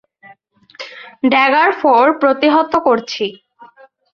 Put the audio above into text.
Dagger four প্রতিহত করছি।